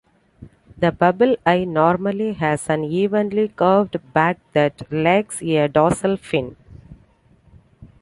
The Bubble Eye normally has an evenly curved back that lacks a dorsal fin.